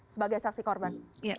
sebagai saksi korban